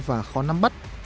và khó nắm bắt